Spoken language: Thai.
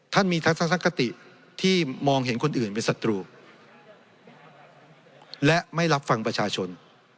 มีทัศนคติที่มองเห็นคนอื่นเป็นศัตรูและไม่รับฟังประชาชน